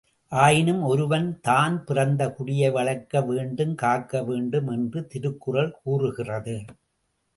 ஆயினும் ஒருவன் தான் பிறந்த குடியை வளர்க்க வேண்டும் காக்கவேண்டும் என்று திருக்குறள் கூறுகிறது.